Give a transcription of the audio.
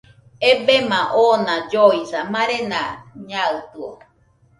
Ebema ona lloisa, marena naɨtɨo.